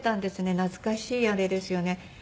懐かしいあれですよね。